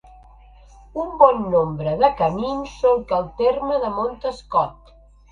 Un bon nombre de camins solca el terme de Montescot.